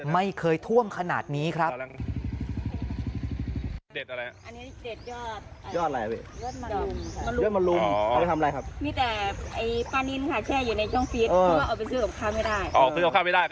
ไม่เคยท่วมขนาดนี้ครับ